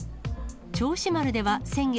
銚子丸では先月、